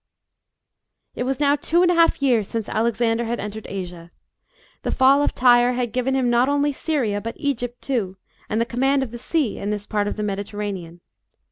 IT was now two and a half years since Alexander had entered Asia. The fall of Tyre had given him not only Syria, but Egypt too, and the command of the sea, in this part of the Mediterranean.